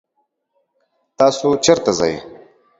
تاسو چرته ځئ؟